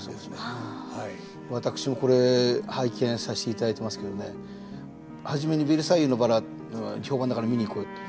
私もこれ拝見させていただいてますけどね初めに「ベルサイユのばら」評判だから見に行こうよって。